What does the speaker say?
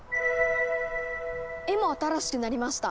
絵も新しくなりました。